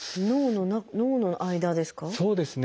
脳の間ですか？